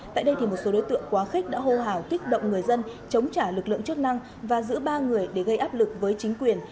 tại đây một số đối tượng quá khích đã hô hào kích động người dân chống trả lực lượng chức năng và giữ ba người để gây áp lực với chính quyền